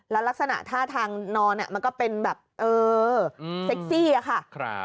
แล้วลักษณะท่าทางนอนมันก็เป็นแบบเออเซ็กซี่ค่ะ